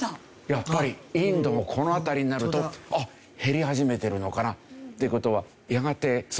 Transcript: やっぱりインドもこの辺りになると減り始めてるのかなっていう事は。